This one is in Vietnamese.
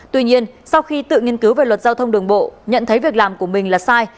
tuy nhiên sau khi tự nghiên cứu về luật giao thông đường bộ nhận thấy việc làm của mình là sai